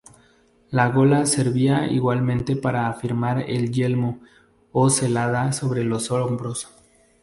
La gola servía igualmente para afirmar el yelmo o celada sobre los hombros.